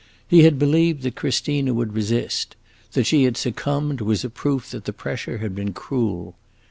He had believed that Christina would resist; that she had succumbed was a proof that the pressure had been cruel.